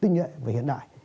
chính quy tinh dạy về hiện đại